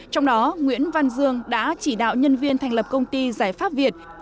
trong đó nguyễn văn dương đã chỉ đạo nhân viên thành lập công ty giải pháp việt